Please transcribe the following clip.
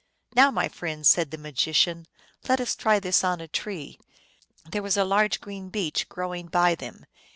" Now, my friend," said the magician, " let us try this on a tree." There was a large green beech grow ing by them.